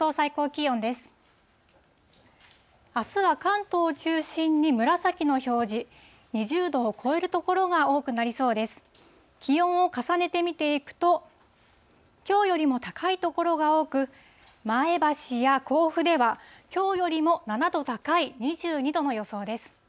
気温を重ねて見ていくと、きょうよりも高い所が多く、前橋や甲府ではきょうよりも７度高い２２度の予想です。